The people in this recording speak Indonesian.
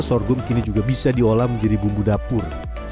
sorghum kini juga bisa diolah menjadi bumbu dapur